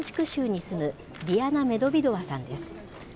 州に住むディアナ・メドヴィドワさんです。